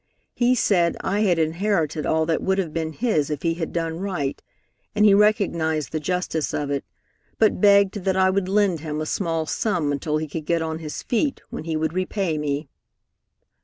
He said I had inherited all that would have been his if he had done right, and he recognized the justice of it, but begged that I would lend him a small sum until he could get on his feet, when he would repay me.